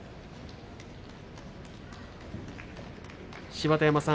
芝田山さん